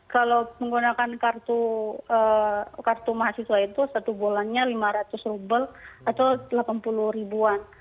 kalau menggunakan kartu mahasiswa itu satu bulannya lima ratus rubel atau delapan puluh ribuan